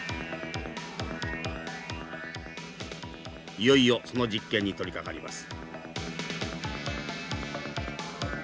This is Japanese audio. いよいよその実験に取りかかります。